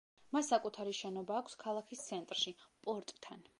მას საკუთარი შენობა აქვს ქალაქის ცენტრში, პორტთან.